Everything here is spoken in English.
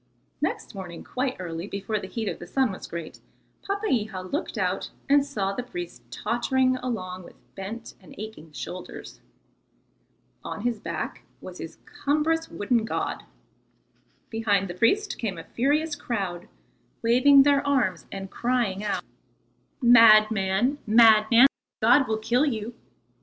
Next morning quite early, before the heat of the sun was great, Papeiha looked out and saw the priest tottering along with bent and aching shoulders. On his back was his cumbrous wooden god. Behind the priest came a furious crowd, waving their arms and crying out: "Madman, madman, the god will kill you."